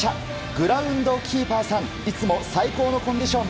グラウンドキーパーさんいつも最高のコンディション